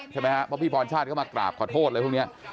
ใช่ไหมครับเพราะพี่พรชาติเข้ามากราบขอโทษอะไรพวกนี้